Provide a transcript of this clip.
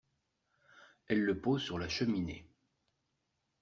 Elle le pose sur la cheminée.